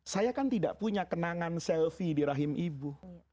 saya kan tidak punya kenangan selfie di rahim ibu